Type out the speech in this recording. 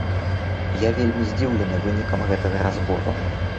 Я вельмі здзіўлены вынікам гэтага разбору.